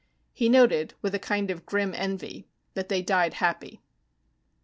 He noted, with a kind of grim envy, that they died happy.